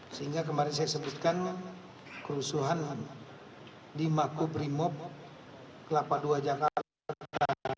sehingga kemarin saya sebutkan kerusuhan di makobrimob kelapa ii jakarta